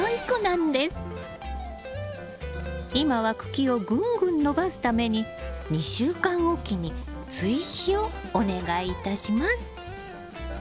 今は茎をぐんぐん伸ばすために２週間おきに追肥をお願いいたします。